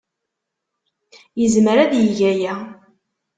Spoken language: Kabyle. Yezmer ad yeg aya.